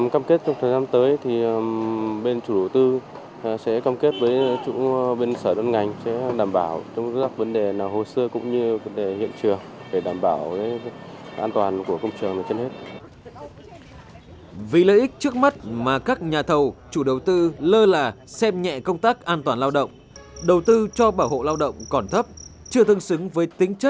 cảm ơn các bạn đã theo dõi và hãy đăng ký kênh để ủng hộ kênh của mình nhé